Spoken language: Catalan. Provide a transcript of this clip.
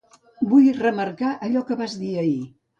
Vull remarcar allò que vas dir ahir.